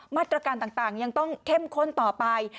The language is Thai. มาตรการต่างยังต้องเข้มข้นต่อไป